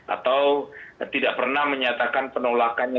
atau tidak pernah menyatakan penolakannya